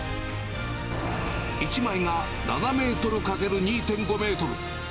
１枚が７メートル×２．５メートル。